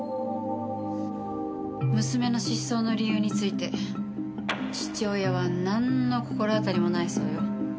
娘の失踪の理由について父親はなんの心当たりもないそうよ。